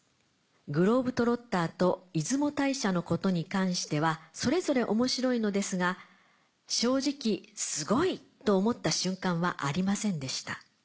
グローブ・トロッターと出雲大社のことに関してはそれぞれ面白いのですが正直「すごい！」と思った瞬間はありませんでした。